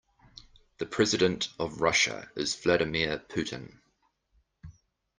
The president of Russia is Vladimir Putin.